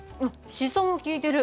しそもきいてる。